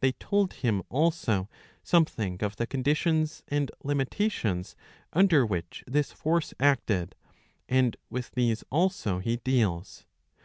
They told him also something of the conditions and limitations under which this force acted, and with these, also, he deals.